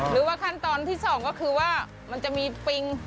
หรือว่าขั้นตอนที่สองก็คือว่ามันจะมีปิง